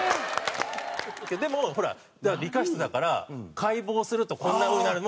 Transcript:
でもほら理科室だから解剖するとこんな風になる。